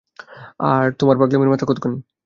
আর, তোমার পাগলামির মাত্রা কতখানি?